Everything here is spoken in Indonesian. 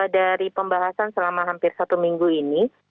dari pembahasan selama hampir satu minggu ini